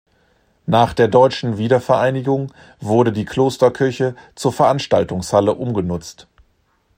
Nach der deutschen Wiedervereinigung wurde die Klosterkirche zur Veranstaltungshalle umgenutzt.